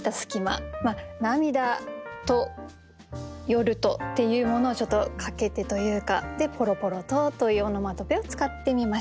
「涙」と「夜」とっていうものをちょっと掛けてというかで「ぽろぽろと」というオノマトペを使ってみました。